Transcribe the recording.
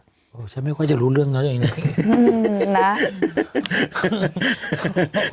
โหฉันไม่ค่อยจะรู้เรื่องเนาะเองนะ